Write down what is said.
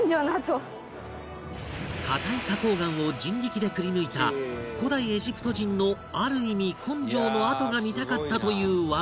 硬い花崗岩を人力でくりぬいた古代エジプト人のある意味根性の跡が見たかったという環子ちゃん